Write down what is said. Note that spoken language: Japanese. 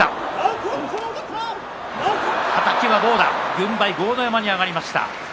軍配豪ノ山に上がりました。